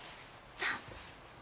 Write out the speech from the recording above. さあ。